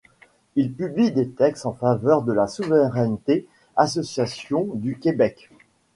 Il publie des textes en faveur de la souveraineté-association du Québec.